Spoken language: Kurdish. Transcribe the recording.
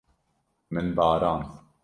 Min barand.